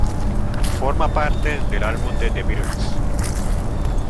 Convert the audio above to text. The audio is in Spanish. Forma parte del álbum de The Beatles "Sgt.